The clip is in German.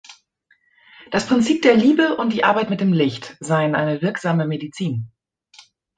Das Prinzip der Liebe und die Arbeit mit dem Licht seien eine wirksame Medizin.